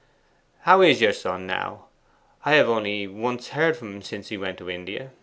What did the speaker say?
'How is your son now? I have only once heard from him since he went to India.